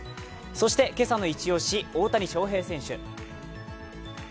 そして、今朝のイチオシ、大谷翔平選手。